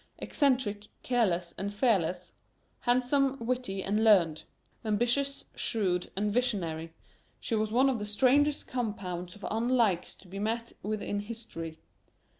Eccentric, careless, and fearless; handsome, witty, and learned; ambitious, shrewd, and visionary, she was one of the strangest compounds of "unlikes" to be met with in history.